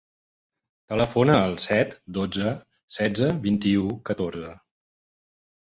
Telefona al set, dotze, setze, vint-i-u, catorze.